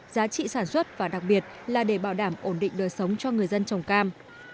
giá trị sản xuất và đặc biệt là để bảo đảm ổn định đời sống cho người dân trồng cam